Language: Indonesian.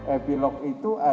epilog itu adalah